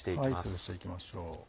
つぶしていきましょう。